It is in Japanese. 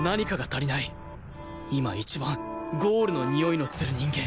今一番ゴールのにおいのする人間